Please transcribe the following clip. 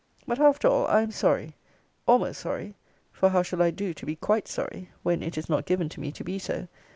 But, after all, I am sorry, almost sorry (for how shall I do to be quite sorry, when it is not given to me to be so?)